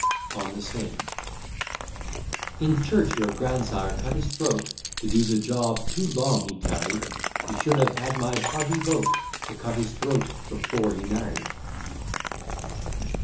ON THE SAME In church your grandsire cut his throat; To do the job too long he tarried: He should have had my hearty vote To cut his throat before he married.